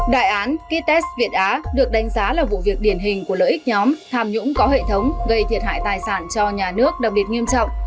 đại án kites việt á được đánh giá là vụ việc điển hình của lợi ích nhóm tham nhũng có hệ thống gây thiệt hại tài sản cho nhà nước đặc biệt nghiêm trọng